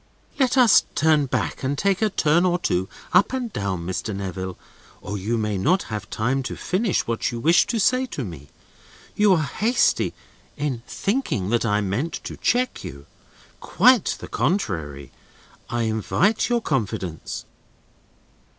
"Let us turn back and take a turn or two up and down, Mr. Neville, or you may not have time to finish what you wish to say to me. You are hasty in thinking that I mean to check you. Quite the contrary. I invite your confidence."